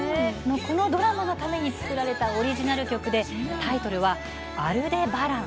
このドラマのために作られたオリジナル曲でタイトルは「アルデバラン」。